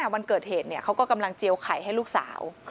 วันเกิดเหตุเขาก็กำลังเจียวไข่ให้ลูกสาว